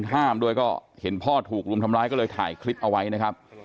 ห้ามด้วยก็เห็นพ่อถูกรุมทำร้ายก็เลยถ่ายคลิปเอาไว้นะครับ